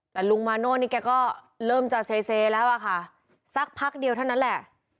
แต่ลุงมาโน่นี่แกก็เริ่มจะเซแล้วอะค่ะสักพักเดียวเท่านั้นแหละ